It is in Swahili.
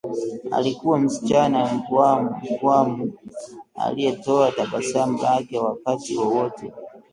Alikuwa msichana mpwamu aliyetoa tabasamu lake wakati wowote